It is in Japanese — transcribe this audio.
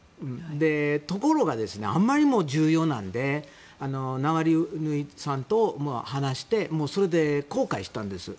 ところが、あまりにも重要なのでナワリヌイさんと話してそれで公開したんです。